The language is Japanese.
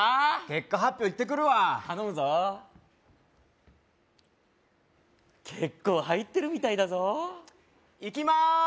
結果発表いってくるわ頼むぞ結構入ってるみたいだぞいきまーす